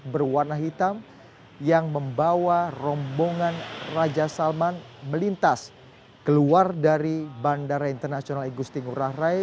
berwarna hitam yang membawa rombongan raja salman melintas keluar dari bandara internasional igusti ngurah rai